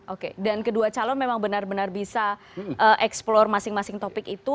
oke dan kedua calon memang benar benar bisa eksplore masing masing topik itu